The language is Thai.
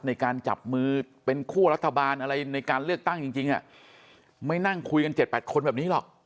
ในการจับมือเป็นคั่วรัฐบาลอะไรในการเลือกตั้งจริงไม่นั่งคุยกัน๗๘คนแบบนี้หรอก